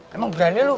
emang berani lu